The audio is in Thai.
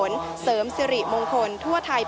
พาคุณผู้ชมไปติดตามบรรยากาศกันที่วัดอรุณราชวรรมหาวิหารค่ะ